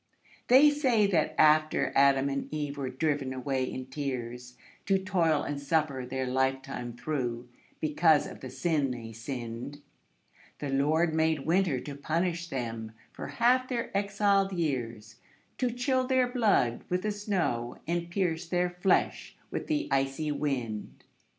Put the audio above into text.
They say that after Adam and Eve were driven away in tears To toil and suffer their life time through, because of the sin they sinned, The Lord made Winter to punish them for half their exiled years, To chill their blood with the snow, and pierce their flesh with the icy wind.